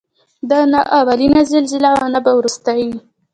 دا نه اولینه زلزله وه او نه به وروستۍ وي.